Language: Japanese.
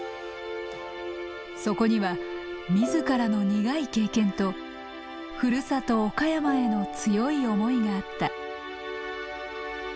そこには自らの苦い経験とふるさと岡山への強い思いがあった。